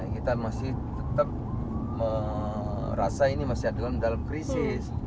kita masih tetap merasa ini masih ada dalam krisis